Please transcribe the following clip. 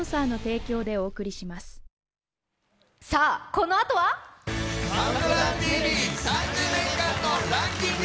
このあとは「ＣＤＴＶ」３０年間のランキング。